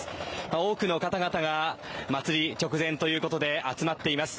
多くの方々が祭り直前ということで集まっています。